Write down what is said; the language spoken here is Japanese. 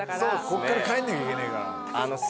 こっから帰んなきゃいけないから。